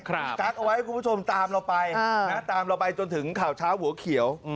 กั๊กเอาไว้คุณผู้ชมตามเราไปนะตามเราไปจนถึงข่าวเช้าหัวเขียว